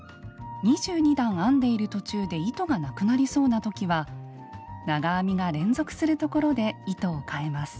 ２２段編んでいる途中で糸がなくなりそうな時は長編みが連続するところで糸をかえます。